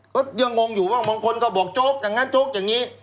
ก็ยังงงอยู่บ้างบางคนก็บอกโจ๊กอย่างนั้นโจ๊กอย่างนี้